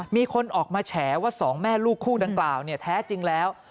มีคนออกมาแฉว่าสองแม่ลูกคู่ต่างแท้จริงแล้ว